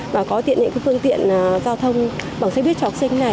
và có tiện những phương tiện giao thông bằng xe buýt cho học sinh này